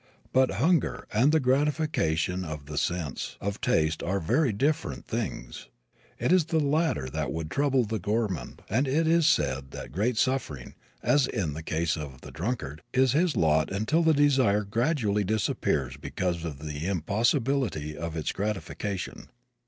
But hunger and the gratification of the sense of taste are very different things. It is the latter that would trouble the gormand, and it is said that great suffering, as in the case of the drunkard, is his lot until the desire gradually disappears because of the impossibility of its gratification.